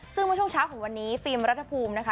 ซึ่งเมื่อช่วงเช้าของวันนี้ฟิล์มรัฐภูมินะคะ